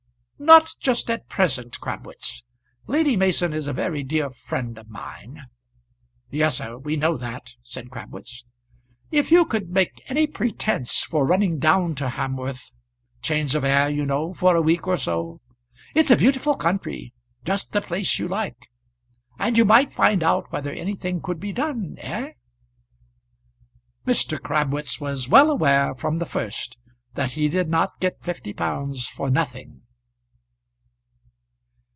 "Not just at present, Crabwitz. Lady Mason is a very dear friend of mine " "Yes, sir; we know that," said Crabwitz. "If you could make any pretence for running down to Hamworth change of air, you know, for a week or so. It's a beautiful country; just the place you like. And you might find out whether anything could be done, eh?" Mr. Crabwitz was well aware, from the first, that he did not get fifty pounds for nothing.